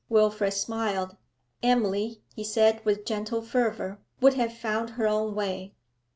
Wilfrid smiled. 'Emily,' he said with gentle fervour, 'would have found her own way.'